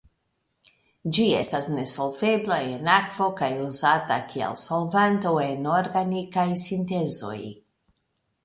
Ĝi estas nesolvebla en akvo kaj uzata kiel solvanto en organikaj sintezoj.